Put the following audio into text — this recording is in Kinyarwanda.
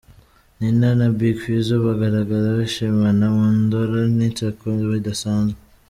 Nina na Big Fizzo bagaragara bishimana mu ndoro n'inseko bidasanzwe.